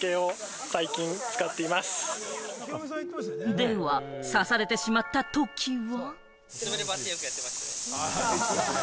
では、刺されてしまったときは？